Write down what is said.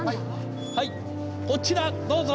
はいこちらどうぞ！